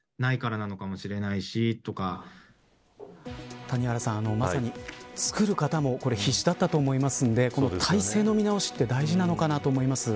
谷原さん、まさに作る方も必死だったと思いますんで体制の見直しが大事なのかなと思います。